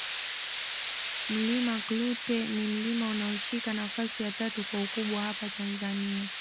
Mlima Klute ni mlima unaoshika nafasi ya tatu kwa ukubwa hapa Tanzania